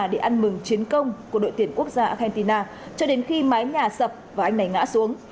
để ăn mừng chiến công của đội tuyển quốc gia argentina cho đến khi mái nhà sập và anh này ngã xuống